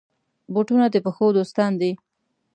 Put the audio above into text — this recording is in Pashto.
بوټونه د پښو دوستان دي.